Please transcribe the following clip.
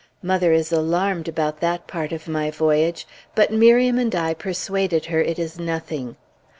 Mother is alarmed about that part of my voyage, but Miriam and I persuaded her it is nothing.